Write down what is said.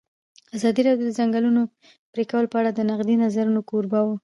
ازادي راډیو د د ځنګلونو پرېکول په اړه د نقدي نظرونو کوربه وه.